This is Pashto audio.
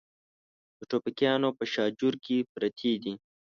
د ټوپکیانو په شاجور کې پرتې دي.